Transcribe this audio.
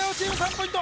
ポイント